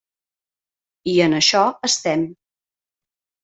I en això estem.